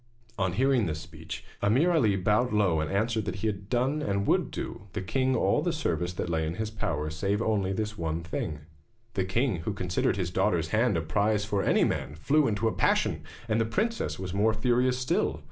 On hearing this speech Ameer Ali bowed low and answered that he had done and would do the king all the service that lay in his power, save only this one thing. The king, who considered his daughter's hand a prize for any man, flew into a passion, and the princess was more furious still.